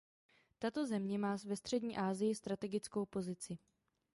Tato země má ve Střední Asii strategickou pozici.